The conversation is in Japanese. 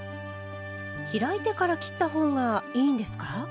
開いてから切った方がいいんですか？